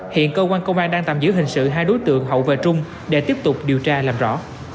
hiện công an đang tạm giữ hình sự hai đối tượng hậu về trung để tiếp tục điều tra làm rõ